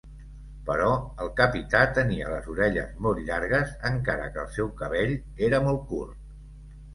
Però el capità tenia les orelles molt llargues encara que el seu cabell era molt curt.